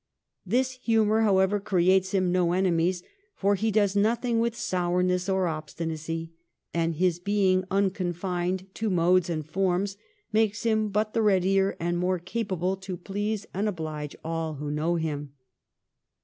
This humour, however, ' creates him no enemies, for he does nothing with sourness or obstinacy; and his being unconfined to modes and forms, makes him but the readier and more capable to please and oblige all who know him.'